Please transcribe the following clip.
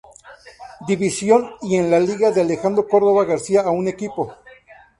División y en la Liga de Alejandro Córdova García a un equipo.